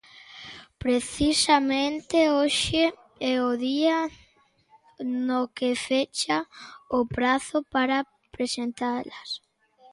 Precisamente hoxe é o día no que fecha o prazo para presentalas.